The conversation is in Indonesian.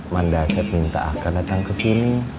mandaset minta akan datang kesini